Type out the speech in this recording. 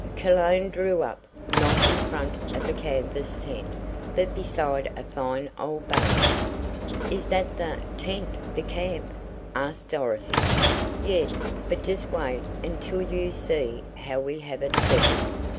Cologne drew up, not in front of a canvas tent, but beside a fine old barn. "Is that the tent the camp?" asked Dorothy. "Yes, but just wait until you see how we have it settled.